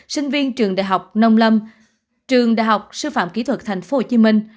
sinh viên trường đại học nông lâm trường đại học sư phạm kỹ thuật thành phố hồ chí minh